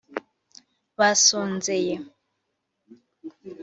basonzeye